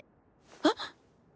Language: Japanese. えっ。